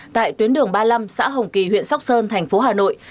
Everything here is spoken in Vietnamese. tại tuyến đường ba mươi năm xã hồng kỳ huyện sóc sơn thành phố hà nội